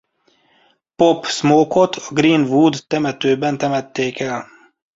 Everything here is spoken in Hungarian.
Pop Smoke-ot a Green-Wood temetőben temették el.